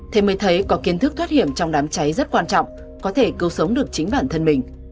thế mới thấy có kiến thức thoát hiểm trong đám cháy rất quan trọng có thể cứu sống được chính bản thân mình